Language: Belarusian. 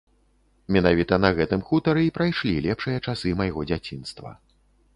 Менавіта на гэтым хутары і прайшлі лепшыя часы майго дзяцінства.